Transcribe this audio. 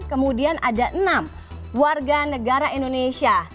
kemudian ada enam warga negara indonesia